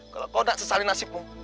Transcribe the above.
kalau kau tidak sesali nasibmu